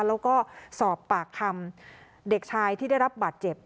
แล้วก็สอบปากคำเด็กชายที่ได้รับบาดเจ็บ